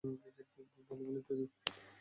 Cricket, football, volleyball ইত্যাদি।